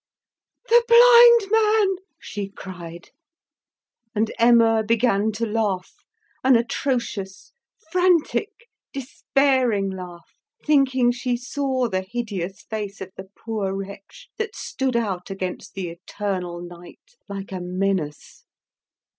"The blind man!" she cried. And Emma began to laugh, an atrocious, frantic, despairing laugh, thinking she saw the hideous face of the poor wretch that stood out against the eternal night like a menace.